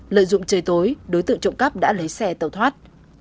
lợi dụng trời tối đối tượng trộm cắp đã lấy xe tàu thoát